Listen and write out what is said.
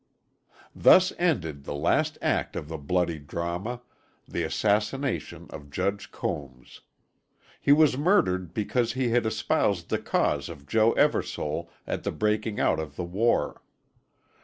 Thus ended the last act of the bloody drama the assassination of Judge Combs. He was murdered because he had espoused the cause of Joe Eversole at the breaking out of the war.